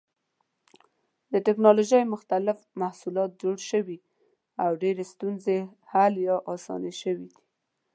د ټېکنالوجۍ مختلف محصولات جوړ شوي او ډېرې ستونزې حل یا اسانې شوې دي.